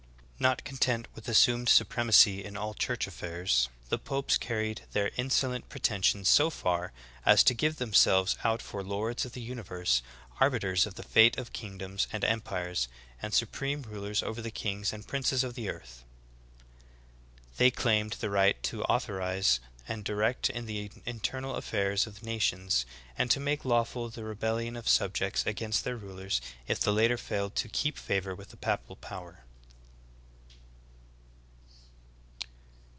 10. Not content with assumed suprem.acy in all church affairs, the popes "carried their insolent pretensions so far as to give themselves out for lords of the universe, arbiters of the fate of kingdoms and empires, and supreme rulers 134 THE GREAT APOSTASY. over the kings and princes of the earth. "^ They claimed the right to authorize and direct in the internal affairs of nations, and to make lawful the rebellion of subjects against their rulers if the latter failed to keep favor with the papal power.